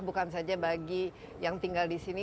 bukan saja bagi yang tinggal disini